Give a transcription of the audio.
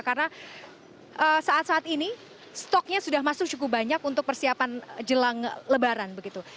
karena saat saat ini stoknya sudah masuk cukup banyak untuk persiapan jelang lebaran begitu